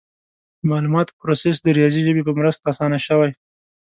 د معلوماتو پروسس د ریاضي ژبې په مرسته اسانه شوی.